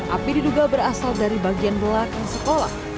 api diduga berasal dari bagian belakang sekolah